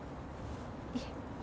いえ。